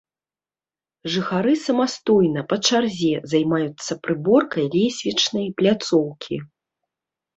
Жыхары самастойна, па чарзе, займаюцца прыборкай лесвічнай пляцоўкі.